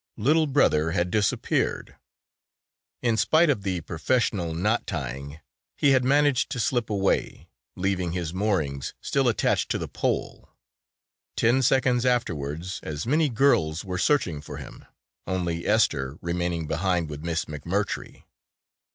Little Brother had disappeared! In spite of the professional knot tying he had managed to slip away, leaving his moorings still attached to the pole. Ten seconds afterwards as many girls were searching for him, only Esther remaining behind with Miss McMurtry.